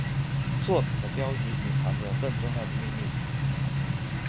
作品的标题隐藏着重要的秘密。